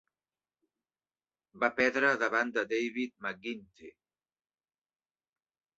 Va perdre davant de David McGuinty.